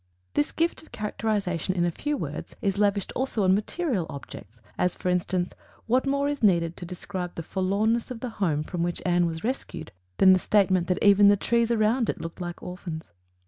This gift of characterization in a few words is lavished also on material objects, as, for instance; what more is needed to describe the forlornness of the home from which Anne was rescued than the statement that even the trees around it "looked like orphans"?